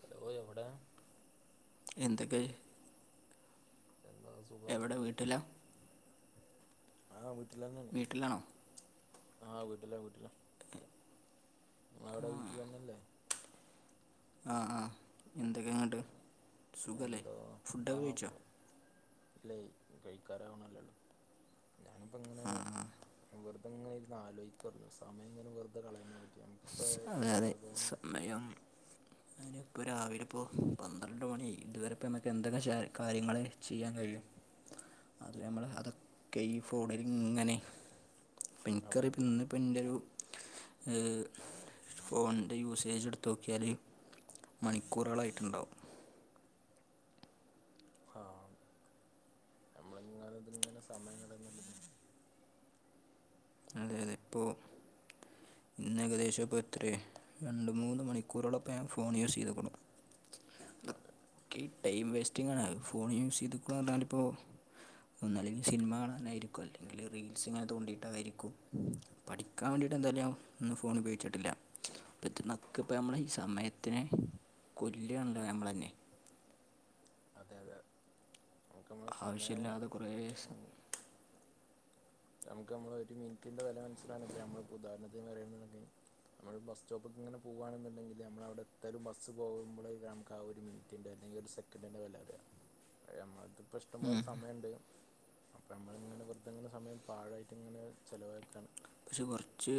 Hello എവടെ എന്തെക്കെ [unintelligible] എവിടെ വീട്ടിലാ ആ വീട്ടിലന്നെയാണ് വീട്ടിലാണോ ആവീട്ടില വീട്ടില അവടെ വീട്ടിലന്നെല്ലേ? ആഹ് ആഹ് എന്തൊക്കെയങ്ങട്ട് സുഖല്ലേ എന്തോ ഫുഡൊക്കെ കഴിച്ചോ? ഇല്ലേയ് കഴിക്കാറാവ് ണല്ലേള്ളൂ ഞാനിപ്പൊങ്ങനെ വെർ വെർതെപ്പൊങ്ങനെ ഇരുന്ന ആലോചിക്കാരുന്നു സമയം ഇങ്ങനെ വെറുതെ കളയണേന പറ്റി നമുക്കിപ്പോ അതെ എത്രത്തോളം പ്പൊ രാവിലെപ്പോ പന്ത്രണ്ട് മണി ആയി ഇതുവരെ പ്പൊ നമ്മക്ക് എന്തെക്കെ ചെയ്യ കാര്യങ്ങള് ചെയ്യാൻ കഴിയും [inaudible] അത് നമ്മള് അതൊക്കെ ഈ ഫോണിലിങ്ങനെ പ്പൊ അതെ ഇൻക്കറിയാം അതെ ഇന്നിപ്പ ന്റൊരു ഹ് [unintelligible] ഫോണിൻ്റെ യൂസേജ് എടുത്തോക്കിയാല് മണിക്കൂറുകളായിട്ടുണ്ടാവും ആ നമ്മളിങ്ങനെ ഇതിങ്ങനെ സമയങ്ങളിങ്ങനെ അതെതെപ്പൊ ഇന്നേകദേശപ്പോത്രേ രണ്ട് മൂന്ന് മണിക്കൂറോളൊപ്പം ഞാൻ ഫോൺ യൂസ് ചെയ്തേക്കണ് അതെ ടൈം വേസ്റ്റിങ്ങാണ് ഫോൺ യൂസ് ചെയ്തിക്കൂ പറഞ്ഞാലി പ്പോ ഒന്നല്ലെങ്കി സിനിമ കാണാനായിരിക്കും അല്ലെങ്കിൽ റീൽസ് ഇങ്ങനെ തോണ്ടിയിട്ടായിരിക്കും പഠിക്കാൻ വേണ്ടിട്ട് എന്തായാലും ഞാൻ ഫോൺ ഉപയോഗിച്ചിട്ടില്ല പറ്റുന്നതൊക്കെ പ്പൊ ഇപ്പമ്മളെ ഈ സമയത്തിനെ.. കൊല്ലാണല്ലോ നമ്മളെന്നെ. അതെ അതെ നമുക്ക നമ്മളെ സമയം.. ആവശ്യമില്ലാതെ കുറേ നമുക്ക് നമ്മള് ഒരു മിനിറ്റിന്റെ വെല മനസ്സിലാണ് ഇപ്പ നമ്മിളിപ്പൊ ഉദാഹണത്തിന് പറയണന്ന്ണ്ടങ്കി.. നമ്മള് ബസ്സ്‌റ്റോപ്പിക്ക്ങ്ങനെ പൂവാണെന്നുണ്ടെങ്കില് നമ്മളവടെത്തലും ബസ്സ് പോകുമ്പൊള് നമുക്ക് ആ ഒരുമിന്.. റ്റിന്റെ അല്ലങ്കി ഒരു സെക്കന്റിന്റെ വെല അറിയ അയ് നമ്മളെര്ത്ത് ഇപ്പൊ ഇഷ്ടം പോലെ സമയണ്ട് അപ്പൊ നമ്മള്ങ്ങനെ വെറുതെങ്ങനെ സമയം.. പാഴായിട്ട്ങ്ങനെ ചെലവാക്കാണ്. പക്ഷെ കൊറച്ച്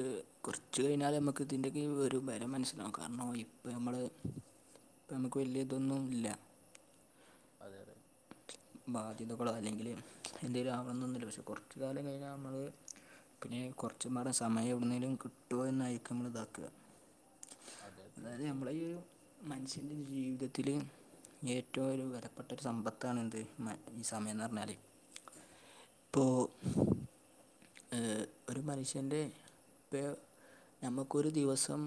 കൊറച്ച് കഴിഞ്ഞാല് നമുക്ക് ഇതിന്റെക്കെ ഈ ഒരു വെല മനസ്സിലാകും കാരണം ഇപ്പ ഞമ്മള് ഇപ്പം നമുക്ക് വലിയ ഇതൊന്നും ല്ല അതെ അതെ ബാധ്യതകളോ അല്ലെങ്കില് എന്തേങ്കിലും ആവണെന്നൊന്നുമില്ല പക്ഷെ കൊറച്ച് കാലം കഴിഞ്ഞാൽ നമ്മള്.. പിന്നെ കുറച്ചും പാടെ സമയ എവിടുന്നേലും കിട്ടോ ന്നായിരിക്കു നമ്മളിതാ.. താ അതെ എന്തായാലും തീർച്ചയായും ഞമ്മളെയൊരു.. മനുഷ്യൻ്റെ ജീവിതത്തിൽ ഏറ്റവും വിലപ്പെട്ട ഒരു സമ്പത്താണ എന്ത്.. മറ്റേ ഈ സമയംന്ന് പറഞ്ഞാൽ ഇപ്പോൾ.. ഏ ഒരു മനുഷ്യന്റെപ്പേ നമുക്കൊരു ദിവസം..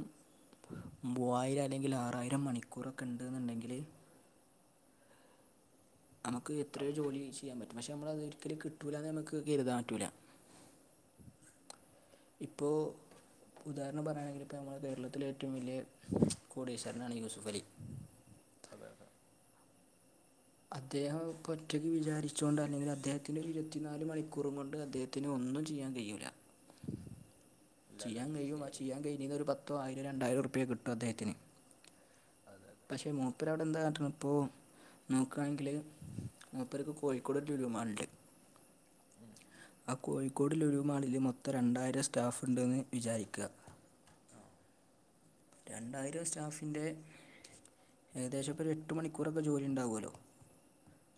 മൂവായിരം അല്ലെങ്കില് ആറായിരം മണിക്കൂറൊക്കെ ഉണ്ട്ന്നുണ്ടെങ്കില് നമുക്ക് എത്രയോ അതെ അതെ ജോലി ചെയ്യാ പറ്റും പക്ഷെ നമ്മളതൊരിക്കലും കിട്ടൂലാന്ന് നമുക്ക് കരുതാൻ പറ്റൂല. ഹ് സ് ഇപ്പോ.. ഉദാഹരണം പറയുകയാണെങ്കിൽ ഇപ്പോൾ നമ്മുടെ കേരളത്തിലെ ഏറ്റവും വലിയ കോടീശ്വരനാണ് യൂസുഫലി.. അതെയതെ. അദ്ദേഹം ഒറ്റയ്ക്ക് വിചാരിച്ചൊണ്ട് അല്ലെങ്കിൽ അദ്ദേഹത്തിന്റെ ഒരുഇരുപത്തിനാല് മണിക്കൂറും കൊണ്ട് അദ്ദേഹ.. ത്തിനൊന്നും ചെയ്യാൻ കഴിയൂല്ല. ഇല്ല ഇല്ല ചെയ്യാൻ ഇത് കൈയും ആ ചെയ്യാ കഴിയില്ല കഴിഞ്ഞന്ന് ഒരു പത്തോ ആയിരോ രണ്ടായിരോ ര്പയ്‌ക്ക് കിട്ടു അദ്ദേഹത്തിന്.. അതെ പക്ഷെ മൂപ്പർ അവിടെ എന്താ കാട്ടണം ഇപ്പോ.. നോക്കുകയാണെങ്കില് മൂപ്പർക്ക് കോഴിക്കോട് ലുലുമാളുണ്ട്.. ഉം ആ കോഴിക്കോട് ലുലു മാളില് മൊത്തം രണ്ടായിരം സ്റ്റാഫ്ണ്ടെന്ന് വിചാരിക്കുക.. ആഹ് രണ്ടായിരം സ്റ്റാഫിൻ്റെ ഏകദേശം ഇപ്പോ ഒരു എട്ട് മണിക്കൂറൊക്കെ ജോലി ഉണ്ടാാവുമല്ലോ..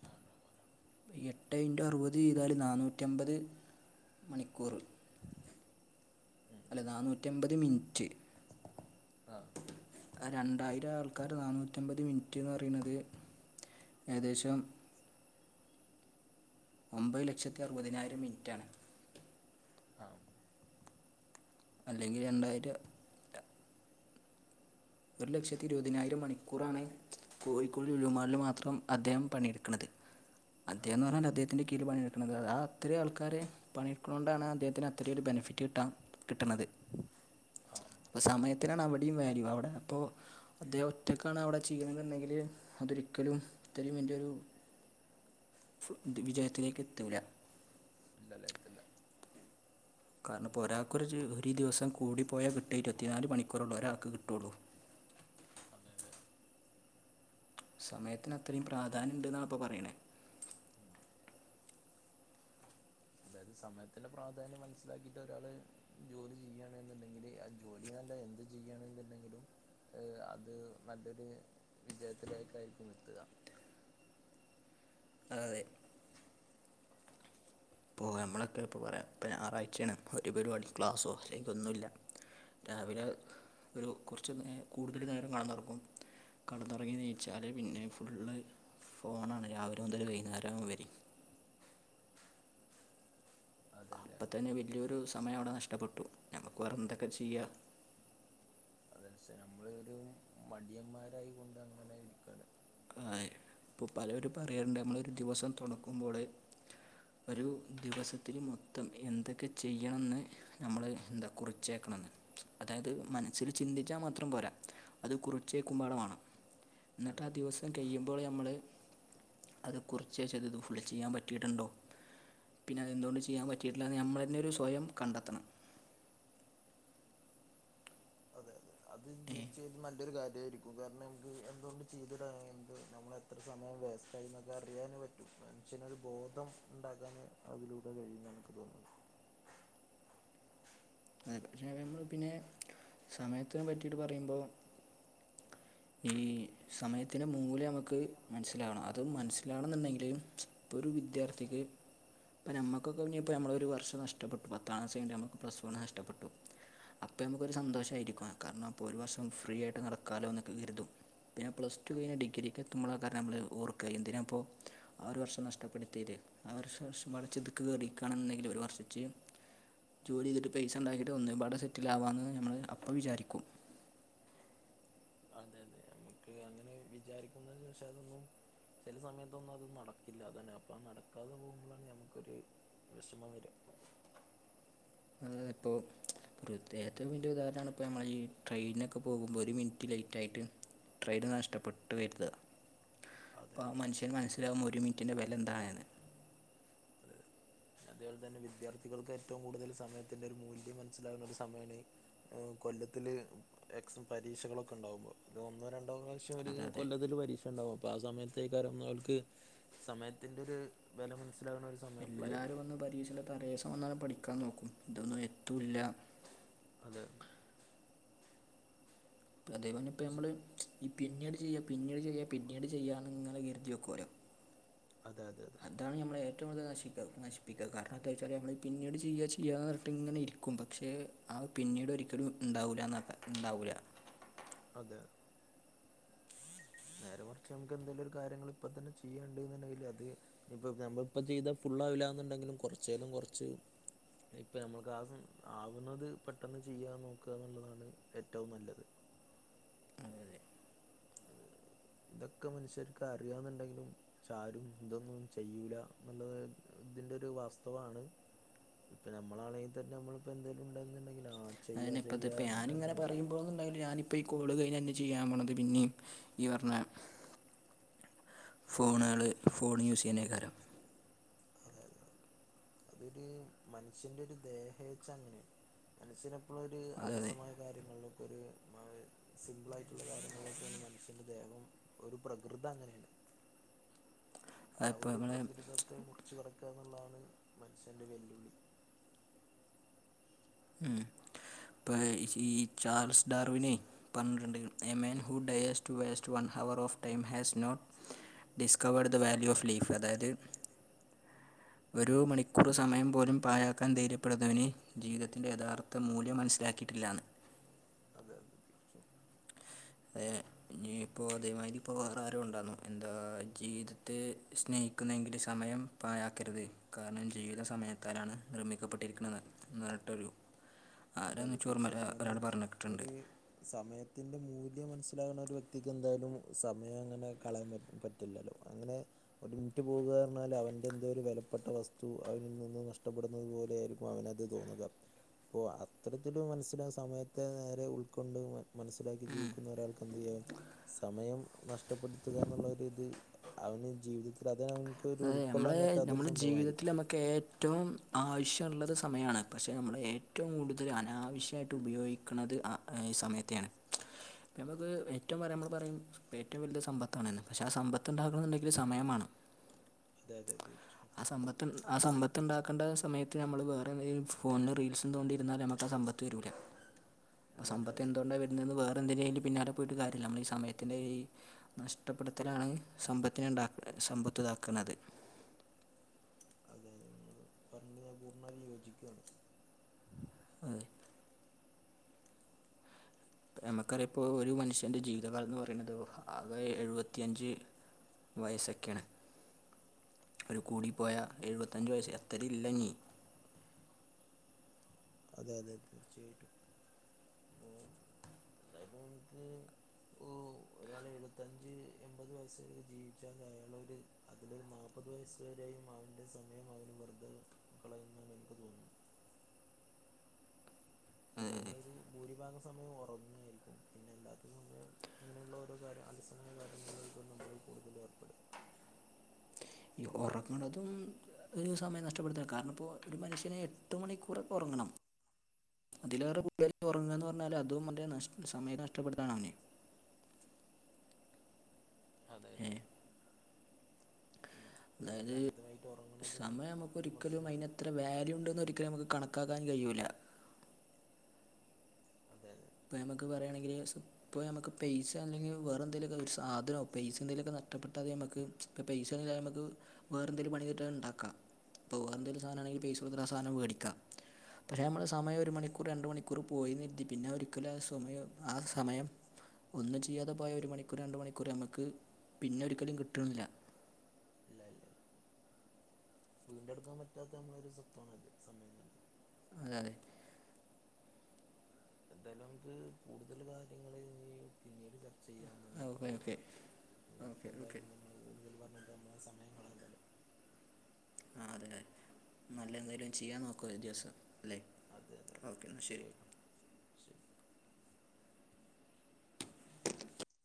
ആഹ് ഇണ്ടാവും എട്ട് ഇൻറ്റ അറുപത് ഏതാല് നന്നൂറ്റമ്പത് മണിക്കൂറ്.. ഉം. അല്ലെ നാനൂറ്റിമ്പത് മിനിറ്റ്.. ആഹ് രണ്ടായിരം ആൾക്കാര് നാനൂറ്റമ്പത് മിനിറ്റ്ന്ന് പറയുന്നത്.. ഏകദേശം ഒമ്പത് ലക്ഷത്തി അറുപതിനായിരം മിനിറ്റാണ്. ആം അല്ലെങ്കിൽ രണ്ടായിരം ഒരു ലക്ഷത്തി ഇരുപതിനായിരം മണിക്കൂറാണ്.. കോഴിക്കോട് ലുലുമാളിൽ മാത്രം അദ്ദേഹം പണിയെടുക്കണത് ആ അദ്ദേഹംന്ന് പറഞ്ഞാൽ അദ്ദേഹത്തിന്റെ കീഴിൽ പണിയെടു.. കിട്ടുന്നത് അ ആ അത്രയും ആൾക്കാർ പണിയെടുക്കുന്നത് കൊണ്ടാണ് അദ്ദേഹത്തിന് അത്രൊ ഒരു ബെനിഫിറ്റ് കിട്ടൻ കിട്ടണുന്നത്.. ആ അപ്പൊ സമയത്തിനാണ് അവിടെയും വല്യു അവിടെ.. പ്പൊ അദ്ദേഹം ഒറ്റക്കാണ് അവിടെ ചെയ്യണെന്നുണ്ടെങ്കിൽ.. അതൊരിക്കലും ഇത്രലും വലിയൊരു വിജയത്തിലേക്ക് എത്തൂല്ല. ഇല്ലല്ലേത്തില്ല. കാരണം ഇപ്പോ ഒരാക്കൊരു ഒരു ദിവസം കൂടിപ്പോയാൽ കിട്ട ഇരുപത്തിനാല് മണിക്കൂറള്ളു ഒരാൾക്ക് കിട്ടുള്ളൂ. അതെ അതെ സമയത്തിന് അത്രയും പ്രാധാന്യം ഉണ്ട് എന്നാണ്പ്പൾ പറയണേ അതായത് സമയത്തിന്റെ പ്രാധാന്യം മനസ്സിലാക്കിയിട്ട് ഒരാള് ജോലി ചെയ്യണ എന്നുണ്ടെങ്കില് ആ ജോലിന്ന് അല്ല എന്ത് ചെയ്യണെന്നുണ്ടെങ്കിലും ഏ അത് നല്ലൊരു വിജയത്തിലേക്ക ആയിരിക്കും എത്തുക അ അതെ ഇപ്പോൾ നമ്മളൊക്കെ ഇപ്പോൾ പറയാം ഞായറാഴ്ചയാണ് ഒരുപരിപാടി ക്ലാസ്സോ അല്ലെങ്കിൽ ഒന്നുമില്ല രാവിലെ ഒരു കുറച്ച് നേ കൂടുതൽ നേരം കിടന്ന് ഉറങ്ങും കടന്നുറങ്ങി നീയിച്ചാല് പിന്നെ ഫുള്ള് ഫോണാണ് രാവിലെ മുതൽ വൈകുന്നേരവും വരെ. അതെ അതെ അപ്പം തന്നെ വലിയൊരു സമയം അവിടെ നഷ്ടപ്പെട്ടു നമുക്ക് വേറെ എന്തൊക്കെ ചെയ്യ അത ക്ഷെ നമ്മൾ ഒരു മടിയന്മാരായിക കൊണ്ട് അങ്ങനെ ഇരിക്കാണ്. ആ ഇപ്പോൾ പലരും പറയാറുണ്ട് നമ്മൾ ഒരു ദിവസം തുടങ്ങുമ്പോഴ് ഒരു ദിവസത്തില് മൊത്തം എന്തൊക്കെ ചെയ്യണന്ന് നമ്മള് എന്താ കുറിച്ചേക്കണം എന്ന് അതായത് മനസ്സിൽ ചിന്തിച്ചാൽ മാത്രം പോരാ അത് കുറച്ച്ക്കുമ്പാടമാണ് എന്നിട്ട് അതെ ആ അതെ ദിവസ കഴിയുമ്പോൾ നമ്മൾ അത് കുറച്ച് ചതത് ഫുള് ചെയ്യാൻ പറ്റിയിട്ടുണ്ടോ പിന്നെ അത് എന്തുകൊണ്ട് ചെയ്യാൻ പറ്റിയിട്ടില്ല നമ്മള് തന്നെ ഒരു സ്വയം കണ്ടെത്തണം അതെ അതെ അതി ഏ തീർച്ചയായും നല്ലൊരു കാര്യമായിരിക്കും കാരണം നമുക്ക് എന്തുകൊണ്ട് ചെയ്ത് എന്ത് നമ്മൾ എത്ര സമയം വേസ്റ്റ് ആയി എന്നൊക്കെ അറിയാൻ പറ്റും മനുഷ്യന് ഒരു ബോധം ഉണ്ടാക്കാന് അതിലൂടെ കഴിയുന്ന് എനിക്ക് തോന്നുന്നത് അതെ പറ്റി നമ്മൾ പിന്നെ സമയത്തിനെ പറ്റിയിട്ട് പറയുമ്പോൾ ഈ സമയത്തിറെ മൂലം നമുക്ക് മനസ്സിലാവണം അത് മനസ്സിലാണെന്നുണ്ടെങ്കില് ഒരു വിദ്യാർത്ഥിക്ക് അപ്പ നമ്മുകൊക്കെ നമ്മളെ ഒരു വർഷം നഷ്ടപ്പെട്ടു പത്താം ക്ലാസ്സ്‌ കഴിഞ്ഞട്ട് നമ്മക്ക് പ്ലസ് വൺ നഷ്ടപ്പെട്ടു അപ്പൊ നമുക്ക്‌ ഒരു സന്തോഷായിരിക്കും കാരണം അപ്പോ ഒരു വർഷം ഫ്രീ ആയിട്ട് നടക്കാലോ കരുതും പിന്നെ പ്ലസ് ടു അതെ കഴിഞ്ഞൽ ഡിഗ്രിക്ക് എത്തുമ്പോൾ കാരണം നമ്മൾ ഓർക്കാ എന്തിനാ ഇപ്പോ ആ ഒരു വർഷം നഷ്ടപ്പെടുത്തിര് ആ ഒരും [unintelligible] കയറിയിക്കുകണുണ്ടെങ്കില് ഒരു വർഷച്ച് ജോലി ചെയ്തിട്ട് പൈസണ്ടാക്കയിട്ട് ഒന്നുക്കൂടെ സെറ്റിൽ ആവാമെന്ന് നമ്മൾ അപ്പോ വിചാരിക്കും അതെ അതെ നമുക്ക് അങ്ങനെ വിചാരിക്കുന്നേ ശേഷം അതൊന്നും ചില സമയത്തൊന്നും അത് നടക്കില്ലാ അതാണ് അപ്പൊ ആ നടക്കാതെ പോകുമ്പോഴാണ് നമ്മുക്കൊരു വെഷമം വരും ഇപ്പോൾ പ്രത്യേ വ ഉദാഹരണ ഇപ്പ നമ്മൾ ഈ ട്രെയിനൊക്കെ പോകുമ്പോ ഒരു മിനിറ്റ് ലേറ്റ് ആയിട്ട് ട്രെയിന് നഷ്ടപ്പെട്ടു വരുത് അതെ അപ്പ ആ അതെ മനുഷ്യന് മനസ്സിലാവും ഒരു മിനറ്റിന്റെ വില എന്താണെന്ന് അത അതെ പോലെ തന്നെ വിദ്യാർത്ഥികൾക്ക് ഏറ്റവും കൂടുതൽ സമയത്തിന്റെറെ ഒരു മൂല്യം മനസിലാകുന്ന ഒരു സമയാണ് കൊല്ലത്തില് എക്സാം പരീക്ഷകളൊക്കെ ഉണ്ടാവുമ്പോ അത് ഒന്നോ രണ്ടോ പ്രാവശ്യ ഇവര് അല്ലാതെ കൊല്ലത്തിൽ പരിക്ഷ ണ്ടാവും ആ സമയത്തെ അറിയുന്നവർക്ക് സമയത്തിന്റെ ഒരു വില മനസിലാവുന്ന എല്ലാവരും വന്ന് പരീക്ഷടെ തലേ വന്നാണ് പഠിക്കാൻ നോക്കും ഇതൊന്നും എത്തുല്ല അതെ അതേപോലെ ഇപ്പം പക്ഷെ- നമ്മള് ഈ പിന്നീട് ചെയ്യാം പിന്നീട് ചെയ്യാം പിന്നീട് ചെയ്യാം നിങ്ങനെ കരുതി വെക്കും ഓരോ അതെ അതെ അതെ അതാണ് നമ്മള ഏറ്റവും കൂടുതൽ നശിക്ക നശിപ്പിക്കുക കാരണം എന്താ വെച്ചാൽ നമ്മൾ പിന്നട് ചെയ്യാ ചെയ്യാന്ന് ഇങ്ങനെ ഇരിക്കും പക്ഷേ ആ പിന്നീട് ഒരിക്കലും ഉണ്ടാവില്ല ആ ഉണ്ടാവില്ല അതെ നേരെ മറിച് നമുക്ക് എന്തേലും ഒരു കാര്യങ്ങൾ ഇപ്പ തന്നെ ചെയ്യാന്നുണ്ടെങ്കിൽ അത് ഇനി ഇപ്പ നമ്മള ഇപ്പ ചെയ്താ ഫുള് ആവില്ലന്നുണ്ടെങ്കിലും കുറച്ചേലും കുറച്ച് ഇപ്പ നമ്മൾക്ക് ആ ആവുന്നത് പെട്ടെന്ന് ചെയ്യാ നോക്കുക എന്നുള്ളതാണ് ഏറ്റവും നല്ലത് അതെ അതെ ഇതൊക്കെ മനുഷ്യർക്ക് അറിയാന്നുണ്ടെങ്കിലും പക്ഷെ ആാരും എന്തൊന്നും ചെയ്യൂല എന്നുള്ളത് ഇതിന്റെ ഒരു വാസ്തവമാണ് ഇപ്പ നമ്മളാണങ്കി തന്നെ നമ്മിപ്പോ എന്തേലും ഉണ്ടന്ന്ണ്ടെങ്കില് ആ ചെയ്യാ അതിനി ഇപ്പത്തെ ചെയ്യാ ഇപ്പ പറഞ്ഞിട്ട് ഞാനിങ്ങെനെ അങ്ങനെ പറയുമ്പോന്നുണ്ടങ്കിലും ഞാന് ഇപ്പ ഈ കോള് കഴിഞാ ഇഞ് ചെയ്യാം പോണത് പിന്നിം ഇയ്യ് പർഞ്ഞ ഫോണള് ഫോണ് യൂസയ്യേന്നേക്കാരം അതെ അതെ അതൊരു മനുഷ്യന്റെ ഒരു ദേഹേഛ അങ്ങനെണ് മനുഷ്യനെ പ്പള ഒര് അതെ അതെ അലസമായ കാര്യങ്ങൾലൊക്കെ ഒര് സിമ്പിളായിട്ടുള്ള കാര്യങ്ങൾലൊക്കെണ് മനുഷ്യന്റെ ദേഹം ഒരു പ്രകൃത അങ്ങനെണ് ആ അതിപ്പോൾ ഒരു നമ്മളെ പ്രകൃതത്തെ മുർച്ച കടക്ക ന്ന്ള്ളാണ് മനുഷ്യന്റെ വെല്ലുവിളി ഉം ഇപ്പ ഈ ചാർസ് ഡാർവിനെ പന്ത്രണ്ട് a man who dares to waste one hour of time has not discover the value of life അതായത് ഒരു മണിക്കൂറ് സമയം പോലും പാഴാക്കാൻ ധൈര്യപ്പെടുന്നവന് ജീവിത യഥാർത്ഥ മൂല്യം മനസ്സിലാക്കിട്ടില്ലാ ന്ന് അതെ അതെ തീർച്ചയായും തെ ഇനി ഇപ്പോ അതേമാതിരി പ്പൊ വാറ ആരോ ഉണ്ടാര്ന്നു എന്താ ജീവിതത്തെ സ്നേഹിക്കുന്നതെങ്കില് സമയം പായക്കരുത് കാരണം ജീവിത സമയത്താലാണ് നിർമ്മിക്കപ്പെട്ടിര്ക്ക്‌ണത് ന്നർഞ്ഞിട്ടൊരു അതെ അതെ തീർച്ചയായിട്ടും കാര്ണം പറഞ്ഞിട്ടുണ്ട് ഒര് സമയത്തിന്റെ മൂല്യം മൻസ്സിലാവ്ണ ഒരു വ്യക്തിക്ക് എന്തായാലും സമയം അങ്ങനെ കളയാൻ പ റ്റില്ലല്ലോ അങ്ങനെ ഒരു മിൻറ്റ് പോകാർഞ്ഞാല് അവന്റെ എന്തോ ഒരു വെലപ്പെട്ട വസ്തു അവനിൽ നിന്ന് നഷ്ടപ്പെടുന്നത് പോലെ ആയിര് ക്കും അവനത് തോന്നുക പ്പോ അ അത്തരത്തില് മൻസ്സില സമയത്തെ നേരെ ഉൾക്കൊണ്ട് മ മൻസ്സിലാക്കി ജീവിക്കുന്ന ഒരാൾക്ക് എന്ത് ചെയ്യും സമയം നഷ്ടപ്പെടുത്തുക എന്നുള്ളര് ത് അവന് ജീവിതത്തില് അത് ഒരു അതെ ഉൾക്കൊള്ളാൻ നമ്മളെ പറ്റാത്തൊരു നമ്മുടെ ജീവിതത്തില് സംഭവമായിരിക്കും നമുക്ക് ഏ റ്റവും ആവശ്യള്ളത് സമയാണ് പക്ഷേ നമ്മള് ഏറ്റവും കൂടുതല് അനാവഷ്യായിട്ട് ഉപയോഗിക്ക്‌ണത് അ ഈ സമയത്തെയാണ് പ്പം നമുക്ക് ഏറ്റവും പറയാ നമ്മള് പറയും ഇപ്പ ഏറ്റവും വൽത് സമ്പത്താണ്ന്ന് പക്ഷെ ആ സമ്പത്ത് ഇണ്ടാക്കണന്നുണ്ടെങ്കില് സമയം മാണം അതെ അതെ തീർച്ചയും ആ സമ്പത്ത് ആ സമ്പത്ത് ഇണ്ടാക്കേണ്ട സമയത്ത് നമ്മള് വേറെഈ ഫോൺല് റീൽസും തോണ്ടിര്ന്നാൽ നമുക്ക് ആ സമ്പത്ത് വരൂല [unintelligible] [inaudible] അപ്പൊ സമ്പത്ത് ഇല്ല എന്തൊണ്ടാ വര്ന്നെന്ന് വാറെ എന്ദിന്റെലും പിന്നാലെ പോയിട്ട് കാര്യല്ല നമ്മള് ഈ സമയത്തിന്റെ ഈ നഷ്ടപ്പെടുത്തലാണ് സമ്പത്തിനെണ്ടാ സമ്പത്ത്താക്ക്‌ണത് അതെ അതെ നിങ്ങൾ പർഞ്ഞ ഞാൻ പൂർണ്ണ [unintelligible] യോജിക്കാണ് അതെ നമുക്കറിയോ ഇപ്പോ ഒരു മനുഷ്യൻ്റെ ജീവിതകാലം ന്ന് പറിണത് ഓഹ് ആകെ എഴുപത്തിയഞ്ച് വയസോക്കെണ് ഒരു കൂടിപ്പോയ എഴുവത്തഞ്ച് വയസ്സ് അത്തറില്ലഞ്ഞി അതെ അതെ തീർച്ചയായിട്ടും അ എന്തായാലും മ്ക്ക് ഓ ഒരാള് എഴുവത്തഞ്ച് എൻപത് വയസ് വരെ ജീവിച്ചാല് അയാളൊര് അതിലൊരു നാല്പ്പത് വയസ്സ് വരെയും അവന്റെ സമയം അവന് വെർതെ ക്കളയന്നാണ് എനിക്ക് തോന്ന്ന്നത് നമ്മളൊരു ഭൂരിഭാഗ സമയം ഒറങ്ങേയ്രിക്കും പിന്നെ അല്ലാത്ത സമയം അങ്ങനെയുള്ള ഓരോ കാര്യ അലസമായ കാര്യങ്ങൾലേക്കും നമ്മള് കൂടുതല് ഏർപ്പെടുക ഒറക്ക്‌ണതും ഒരു സമയം നഷ്ടപ്പെടുത്ത കാരണം ഇപ്പോ ഒരു മനുഷ്യന് എട്ട് മണിക്കൂറ് ഒറങ്ങണം അതിലേറെ കൂടുതല് ഒറങ്ങാ ന്ന് പർഞ്ഞാല് അതും അന്റെ നഷ് സമയത്തെ നഷ്ടപ്പെടു [unintelligible] അതെ അതെ ഏ ഉം. അതായത് കൂടുതൽ അമിതമായിട്ട് ഉറങ്ങണതും സമയം നമുക്ക് ഒരു ഒരിക്കലും പ്രശ്നമാണ് അയിനെത്ത് വാല്യൂണ്ടന്ന് ഒരിക്കലും നമുക്ക് കണക്കാക്കാൻ കയൂല്ല അതെ അതെ ഇപ്പ നമ്മക്ക് പറയാണെങ്കില് സു ഇപ്പോ നമ്മക്ക് പെയ്സ അല്ലെങ്കി വേറെ എന്തെലൊക്കെ ഒരു സാധനോ പേയ്സ് എന്തെലൊക്കെ നഷ്ടപ്പെട്ട അത് നമ്മക്ക് ഇപ്പം പൈസേന്നും ഇല്ലാതെ അമ്മക്ക് വേറെന്തേലും പണി കിട്ടിയാ അത് ഇണ്ടാക്കാം പോവാ എന്തേലും സാധനാണെങ്കി പൈസ കൊടുത്തിട്ട് ആ സാധനം വേടിക്കാം പക്ഷേ അമ്മള് സമയം ഒരു മണിക്കൂർ രണ്ട് മണിക്കൂർ പോയിരുന്നിട്ട് പിന്നെ അവര് [unintelligible] സമയം ആ സമയം ഒന്നും ചെയ്യാതെ പോയ ഒരു മണിക്കൂർ രണ്ട് മണിക്കൂർ നമ്മക്ക് പിന്നെ ഒരിക്കലും കിട്ട്ണ്ല്ല ഇല്ല ഇല്ലത് വീണ്ടെടുക്കാൻ പറ്റാത്ത നമ്മളൊരു സ്വത്താണല്ലോ സമയെന്നുള്ളത് അതെ അതെ എന്തായാലും നമുക്ക് കൂടുതല് കാര്യങ്ങൾ ഇനി പിന്നീട് ചർ ചെയ്യാമ്ന്നാണ് എനിക്ക് ഓക്കെ ഓക്കെ തോന്നണത് ഇപ്പോ ഓക്കെ ഓക്കെ എന്തായാലും നമ്മള് കൂടുതല് പറഞ്ഞിട്ട് നമ്മള സമയം കളയണ്ടല്ലോ ആഹ് അതെ നല്ല അതെ എന്തേലും ചെയ്യാൻ നോക്കുവാ ഒരു ദിവസം അല്ലേ അതെ അതെ അതെ ഓക്കെ എന്നാൽ ശരി തീർച്ചയായിട്ടും ശെരിക്കും